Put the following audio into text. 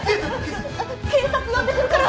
警察呼んでくるから！